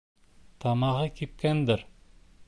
Тамағы кипкәндер...